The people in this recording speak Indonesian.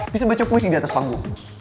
bisa baca puisi di atas panggung